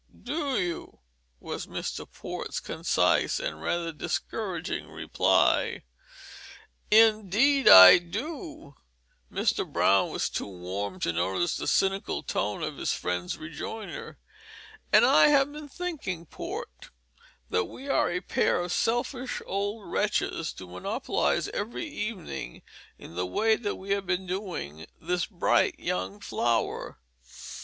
"Umph do you?" was Mr. Port's concise and rather discouraging reply. "Indeed I do" Mr. Brown was too warm to notice the cynical tone of his friend's rejoinder "and I have been thinking, Port, that we are a pair of selfish old wretches to monopolize every evening in the way that we have been doing this bright young flower.